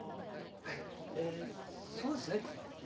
はいえーそうですね